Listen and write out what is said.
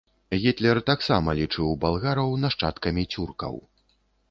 Гітлер таксама лічыў балгараў нашчадкамі цюркаў.